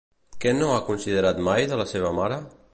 Què no ha considerat mai de la seva mare?